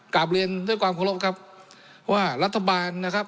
กลับเรียนด้วยความเคารพครับว่ารัฐบาลนะครับ